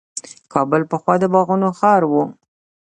کابل پخوا د باغونو ښار و.